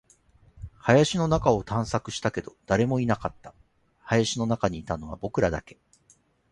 林の中を探索したけど、誰もいなかった。林の中にいたのは僕らだけ。